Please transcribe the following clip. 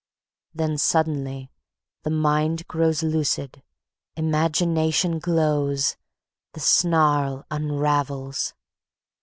Then suddenly the mind grows lucid, imagination glows, the snarl unravels.